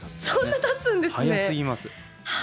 早すぎます。